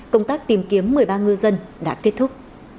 công tác tìm kiếm một mươi ba ngư dân đã kết thúc